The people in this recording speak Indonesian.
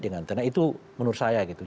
karena itu menurut saya gitu